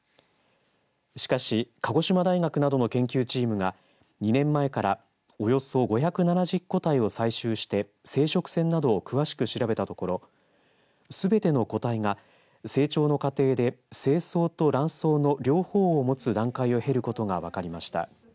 しかし、鹿児島大学などの研究チームが２年前から、およそ５７０個体を採集して生殖腺などを詳しく調べたところすべての個体が、成長の過程で精巣と卵巣の両方を待つ段階をへることが分かりました。